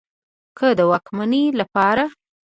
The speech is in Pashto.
که د واکمنۍ له پاره